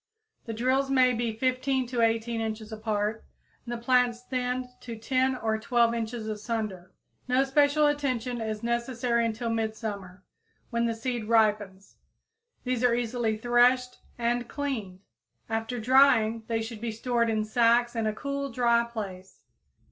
The drills may be 15 to 18 inches apart and the plants thinned to 10 or 12 inches asunder. No special attention is necessary until midsummer, when the seed ripens. These are easily threshed and cleaned. After drying they should be stored in sacks in a cool, dry place.